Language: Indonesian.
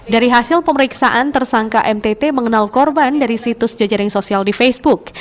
dari hasil pemeriksaan tersangka mtt mengenal korban dari situs jejaring sosial di facebook